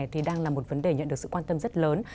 thì đang là một vấn đề nhận được sự quan tâm rất lớn